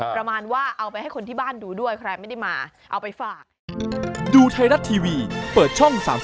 ประมาณว่าเอาไปให้คนที่บ้านดูด้วยใครไม่ได้มาเอาไปฝาก